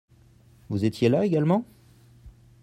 Vous étiez là également ?